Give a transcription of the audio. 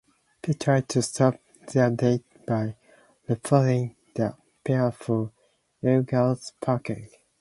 Pete tries to stop their date by reporting the pair for illegally parking.